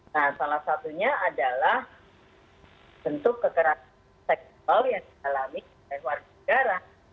nah salah satunya adalah bentuk kekerasan seksual yang dialami oleh warga negara